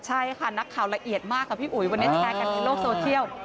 ใช่ค่ะนักข่าวละเอียดมากครับพี่อุ๋ย